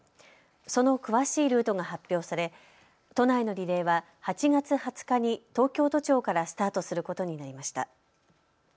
その詳しいルートが発表され都内のリレーは８月２０日に東京都庁からスタートすることになりました。